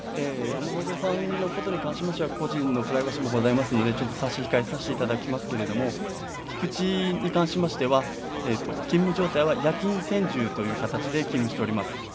山野辺さんのことに関しては個人のプライバシーもありますので差し控えさせていただきますけれど菊池に関しましては勤務状態は夜勤専従という形で勤務しております。